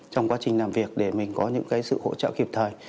trong quá trình làm việc để mình có những sự hỗ trợ kịp thời